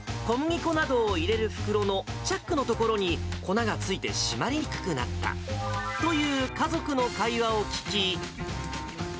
小麦粉などを入れる袋のチャックの所に、粉がついて閉まりにくくなったという家族の会話を聞き。